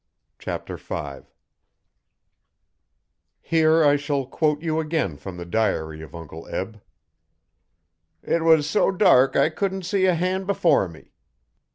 Chapter 5 Here I shall quote you again from the diary of Uncle Eb. 'It was so dark I couldn't see a han' before me.